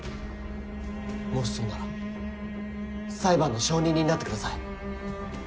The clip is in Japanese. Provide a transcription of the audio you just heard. もしそうなら裁判の証人になってください。